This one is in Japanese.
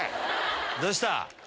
どうした？